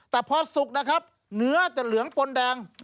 แต่พอสุกนะครับเนื้อจะเหลืองปนแดง